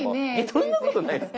そんなことないです。